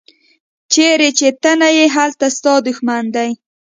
چیرې چې ته نه یې هلته ستا دوښمن دی.